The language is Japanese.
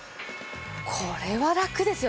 これはラクですよ。